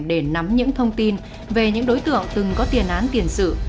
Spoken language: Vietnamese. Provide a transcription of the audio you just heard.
để nắm những thông tin về những đối tượng từng có tiền án tiền sự